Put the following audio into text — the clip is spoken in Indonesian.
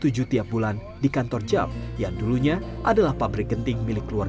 untuk melahirkan congkongan ingin anda mengingatkan nilai suatu suatu